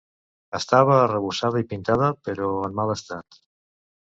Estava arrebossada i pintada, però en mal estat.